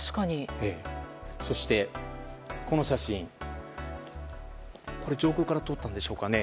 そして、この写真上空から撮ったんでしょうか。